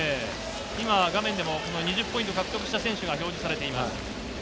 今画面でも２０ポイント獲得した選手が表示されました。